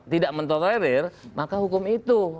tidak mentolerir maka hukum itu